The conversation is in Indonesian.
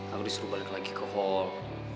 lalu disuruh balik lagi ke hall